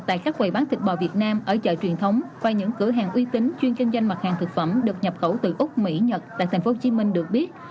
tại các quầy bán thịt bò việt nam ở chợ truyền thống qua những cửa hàng uy tín chuyên kinh doanh mặt hàng thực phẩm được nhập khẩu từ úc mỹ nhật tại tp hcm được biết